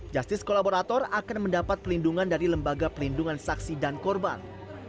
justice kolaborator akan mendapat pelindungan dari lembaga pelindungan saksi dan korban